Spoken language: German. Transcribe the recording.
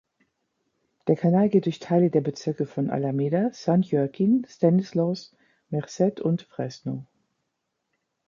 Der Kanal geht durch Teile der Bezirke von Alameda, San Joaquin, Stanislaus, Merced und Fresno.